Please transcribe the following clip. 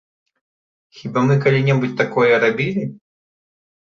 Хіба мы калі-небудзь такое рабілі?